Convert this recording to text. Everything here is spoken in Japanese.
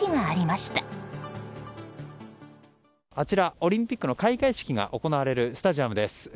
あちら、オリンピックの開会式が行われるスタジアムです。